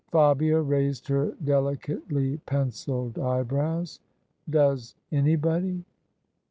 Fabia raised her delicately pencilled eyebrows. " Does anybody?"